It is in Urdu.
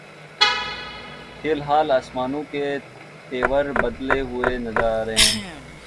فی الحال آسمانوں کے تیور بدلے ہوئے نظر آتے ہیں۔